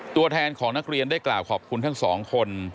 ตัวแทนของนักเรียนได้กล่าวขอบคุณทั้งสองคน